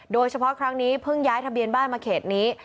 โดยเฉพาะครั้งนี้เพิ่งย้ายทะเบียนบ้านมาเขตนี้